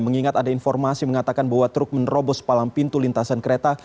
mengingat ada informasi mengatakan bahwa truk menerobos palang pintu lintasan kereta